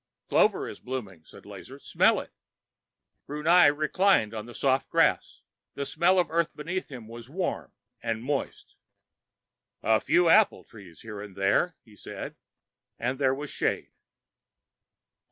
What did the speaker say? "Clover is blooming," said Lazar. "Smell it." Brunei reclined on the soft green grass. The smell of the earth beneath him was warm and moist. "A few apple trees here and there," he said, and there was shade.